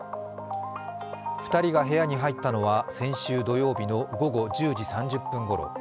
２人が部屋に入ったのは先週土曜日の午後１０時３０分ごろ。